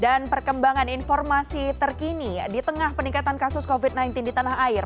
dan perkembangan informasi terkini di tengah peningkatan kasus covid sembilan belas di tanah air